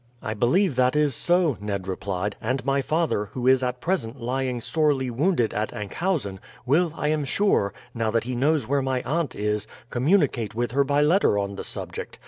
"I believe that is so," Ned replied; "and my father, who is at present lying sorely wounded at Enkhuizen, will, I am sure, now that he knows where my aunt is, communicate with her by letter on the subject.